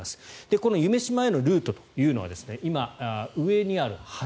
この夢洲へのルートというのは今、上にある橋